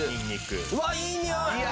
うわっいいにおい！